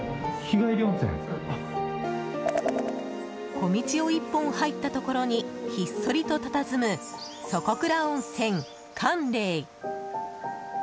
小道を一本入ったところにひっそりとたたずむ底倉温泉、凾嶺。